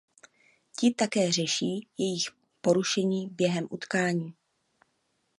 Ti také řeší jejich porušení během utkání.